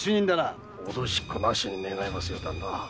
脅しっこなしに願いますよ。